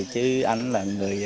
chứ anh là người